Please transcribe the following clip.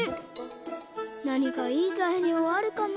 なにかいいざいりょうあるかな？